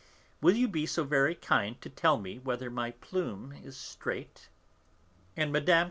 Will you be so very kind as to tell me whether my plume is straight?" And Mme.